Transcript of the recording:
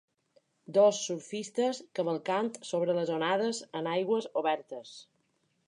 dos surfistes cavalcant sobre les onades en aigües obertes